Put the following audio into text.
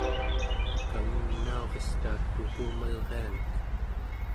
kangingnaurista tuqumalrianek